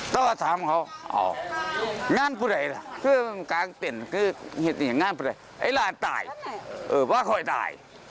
ลูกนี้ค่ะ